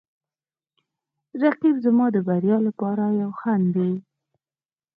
رقیب زما د بریا لپاره یو خنډ دی